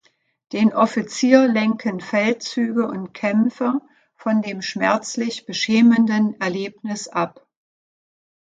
Den Offizier lenken Feldzüge und Kämpfe von dem schmerzlich beschämenden Erlebnis ab.